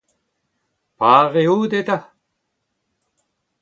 Pare out eta.